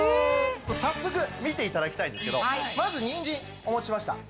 早速見ていただきたいんですけどまずニンジンお持ちしました。